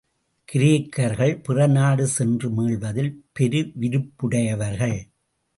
கிரேக்கர்கள் பிறநாடு சென்று மீள்வதில் பெரு விருப்புடையவர்கள்.